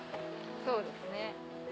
そうですね。